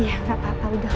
ya gak apa apa udah